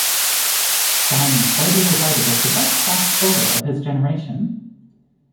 Steyn is widely regarded as the best fast bowler of his generation.